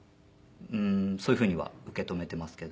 そういう風には受け止めてますけど。